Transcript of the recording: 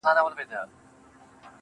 o زما د خيال د فلسفې شاعره .